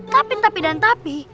tapi tapi dan tapi